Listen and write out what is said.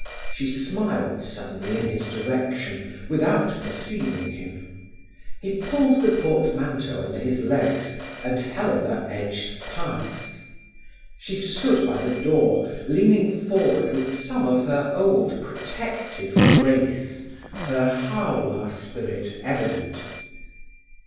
She smiled suddenly in his direction, without perceiving him. He pulled the portmanteau under his legs, and Helena edged past. She stood by the door, leaning forward with some of her old protective grace, her "Hawwa" spirit evident.